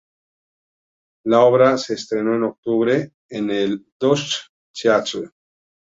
La obra se estrenó en octubre en el Duchess Theatre.